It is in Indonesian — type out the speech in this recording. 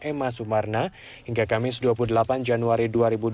emma sumarna hingga kamis dua puluh delapan januari dua ribu dua puluh